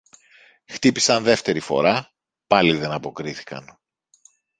Χτύπησαν δεύτερη φορά, πάλι δεν αποκρίθηκαν.